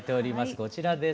こちらです。